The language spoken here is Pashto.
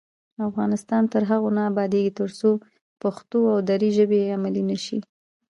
افغانستان تر هغو نه ابادیږي، ترڅو پښتو او دري ژبې علمي نشي.